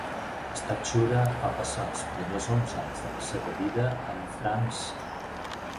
Stachura va passar els primers onze anys de la seva vida en França.